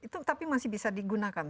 tapi masih bisa digunakan